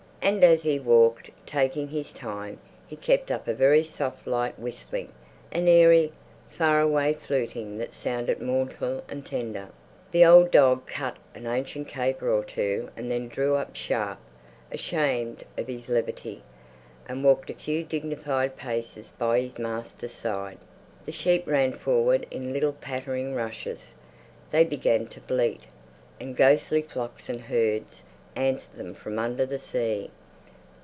And as he walked, taking his time, he kept up a very soft light whistling, an airy, far away fluting that sounded mournful and tender. The old dog cut an ancient caper or two and then drew up sharp, ashamed of his levity, and walked a few dignified paces by his master's side. The sheep ran forward in little pattering rushes; they began to bleat, and ghostly flocks and herds answered them from under the sea. "Baa!